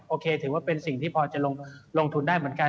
โอเคถือว่าเป็นสิ่งที่พอจะลงทุนได้เหมือนกัน